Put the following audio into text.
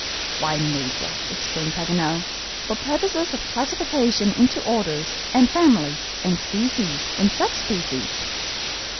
"Why, Major," exclaimed Paganel, "for purposes of classification into orders, and families, and species, and sub species."